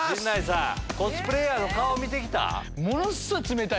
コスプレーヤーの顔見て来た？